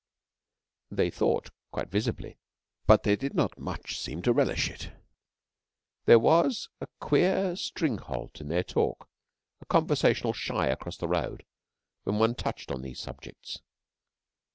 They thought quite visibly but they did not much seem to relish it. There was a queer stringhalt in their talk a conversational shy across the road when one touched on these subjects.